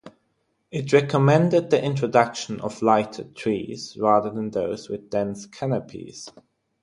It recommended the introduction of lighter trees rather than those with dense canopies.